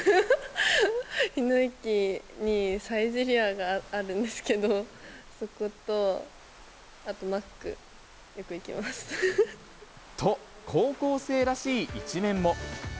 日野駅にサイゼリヤがあるんですけど、そこと、あとマック、と、高校生らしい一面も。